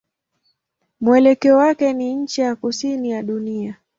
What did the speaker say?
Mwelekeo wake ni ncha ya kusini ya dunia.